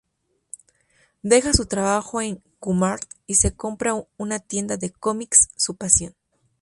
Deja su trabajo en Q-Mart y se compra una tienda de cómics, su pasión.